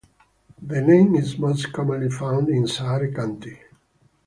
The name is most commonly found in Saare County.